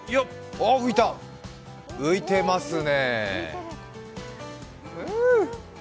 浮いてますね。